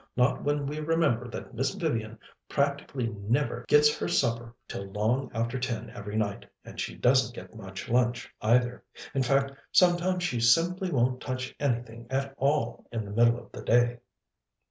"Not when we remember that Miss Vivian practically never gets her supper till long after ten every night, and she doesn't get much lunch, either. In fact, sometimes she simply won't touch anything at all in the middle of the day."